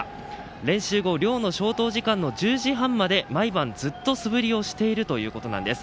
練習後寮の消灯時間の１０時半まで毎晩ずっと素振りをしているということなんです。